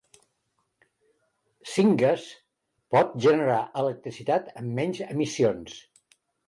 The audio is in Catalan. Syngas pot generar electricitat amb menys emissions.